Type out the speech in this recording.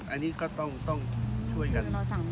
อันนี้ก็ต้องช่วยกัน